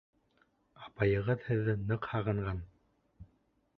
Апайығыҙ һеҙҙе ныҡ һағынған.